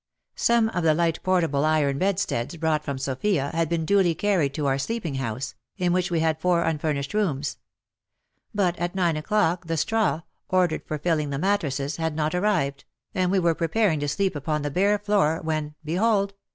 Some of the light portable iron bedsteads brought from Sofia had been duly carried to our sleeping house, in which we had four unfurnished rooms. But at nine o'clock the straw, ordered for filling the mattresses, had not arrived, and we were preparing to sleep upon the bare floor when, behold